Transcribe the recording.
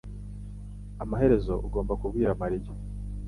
Amaherezo ugomba kubwira mariya